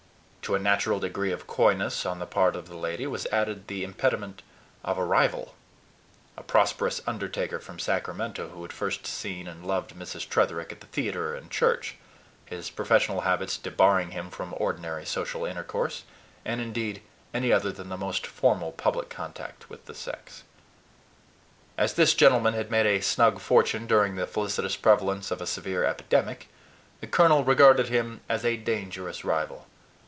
To a natural degree of coyness on the part of the lady was added the impediment of a rival a prosperous undertaker from Sacramento, who had first seen and loved Mrs. Tretherick at the theater and church, his professional habits debarring him from ordinary social intercourse, and indeed any other than the most formal public contact with the sex. As this gentleman had made a snug fortune during the felicitous prevalence of a severe epidemic, the colonel regarded him as a dangerous rival.